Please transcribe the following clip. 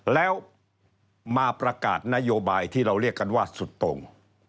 แล้วมาประกาศนโยบายที่เราเรียกกันว่าสุดตรง